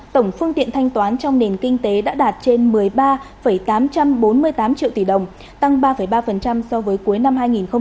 tổng phương tiện thanh toán trong nền kinh tế đã đạt trên một mươi ba tám trăm bốn mươi tám triệu tỷ đồng tăng ba ba so với cuối năm hai nghìn một mươi tám